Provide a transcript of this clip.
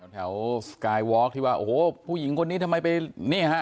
แถวสกายวอร์กที่ว่าโอ้โหผู้หญิงคนนี้ทำไมไปนี่ฮะ